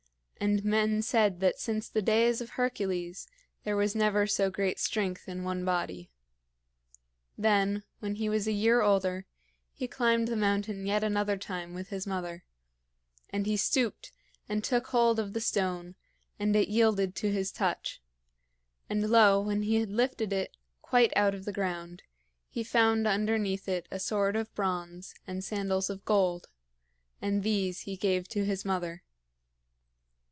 And men said that since the days of Hercules there was never so great strength in one body. Then, when he was a year older, he climbed the mountain yet another time with his mother, and he stooped and took hold of the stone, and it yielded to his touch; and, lo, when he had lifted it quite out of the ground, he found underneath it a sword of bronze and sandals of gold, and these he gave to his mother.